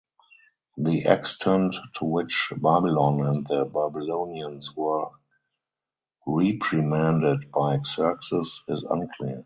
The extent to which Babylon and the Babylonians were reprimanded by Xerxes is unclear.